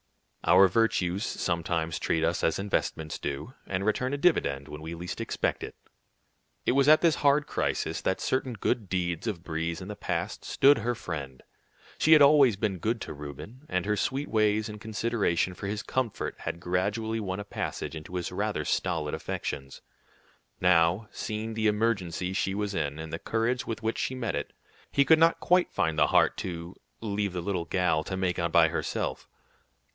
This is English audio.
Our virtues sometimes treat us as investments do, and return a dividend when we least expect it. It was at this hard crisis that certain good deeds of Brie's in the past stood her friend. She had always been good to Reuben, and her sweet ways and consideration for his comfort had gradually won a passage into his rather stolid affections. Now, seeing the emergency she was in, and the courage with which she met it, he could not quite find the heart to "leave the little gal to make out by herself."